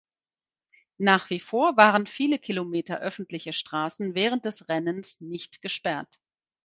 Nach wie vor waren viele Kilometer öffentliche Straßen während des Rennens nicht gesperrt.